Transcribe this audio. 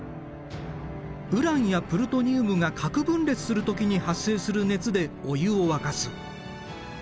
ウランやプルトニウムが核分裂する時に発生する熱でお湯を沸かす。